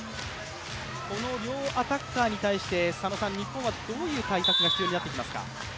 この両アタッカーに対して日本はどういう対策が必要になってきますか？